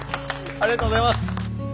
ありがとうございます。